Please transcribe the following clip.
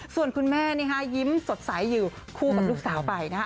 ส่วนคุณแม่ยิ้มสดใสอยู่คู่กับลูกสาวไปนะฮะ